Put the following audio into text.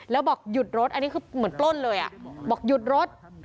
แล้วบอกหยุดรถอันนี้คือเหมือนปล้นเลยบอกหยุดรถ